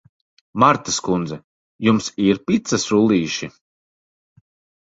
Martas kundze, jums ir picas rullīši?